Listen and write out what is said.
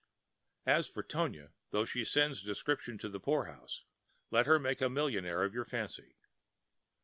As for Tonia, though she sends description to the poorhouse, let her make a millionaire of your fancy.